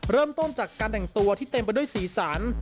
เริ่มต้นจากการแต่งตัวที่เต็มไปด้วยสีสัน